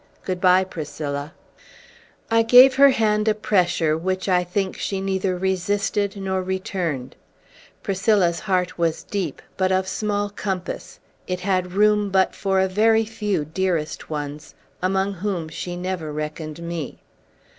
Good by, Priscilla!" I gave her hand a pressure, which, I think, she neither resisted nor returned. Priscilla's heart was deep, but of small compass; it had room but for a very few dearest ones, among whom she never reckoned me.